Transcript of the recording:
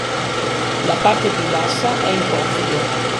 La parte più bassa è in porfido.